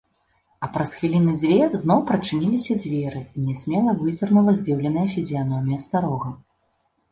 А праз хвіліны дзве зноў прачыніліся дзверы і нясмела вызірнула здзіўленая фізіяномія старога.